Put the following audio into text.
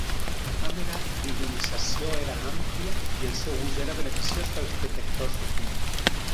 La càmera d'ionització era amplia i el seu ús era beneficiós pels detectors de fum.